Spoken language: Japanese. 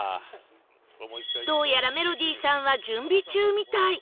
どうやらメロディーさんは準備中みたい